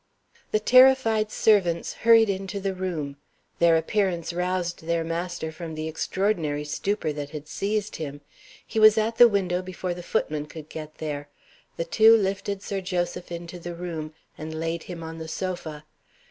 The terrified servants hurried into the room. Their appearance roused their master from the extraordinary stupor that had seized him. He was at the window before the footman could get there. The two lifted Sir Joseph into the room, and laid him on the sofa.